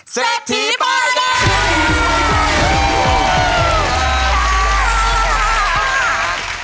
เศรษฐีปล่อยด้วย